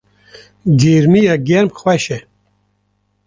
gêrmiya germ xweş e